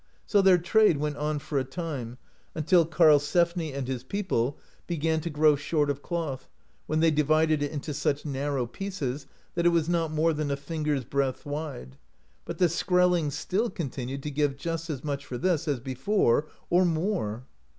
So their trade went on for a time, until Karlsefni and his people began to grow short of cloth, when they divided it into such narrow pieces that it was not more than a finger's breadth wide, but the Skrellings still continued to give just as much for this as before, or more.